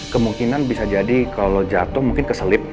kemungkinan bisa jadi kalau jatuh mungkin keselip